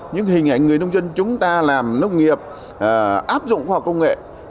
những hình ảnh người nông dân chúng ta làm nông nghiệp áp dụng khoa học công nghệ